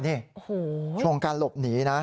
นี่ช่วงการหลบหนีนะ